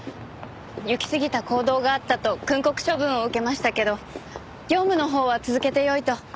行きすぎた行動があったと訓告処分を受けましたけど業務のほうは続けてよいと。